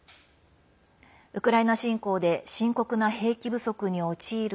ウクライナ侵攻で深刻な兵器不足に陥る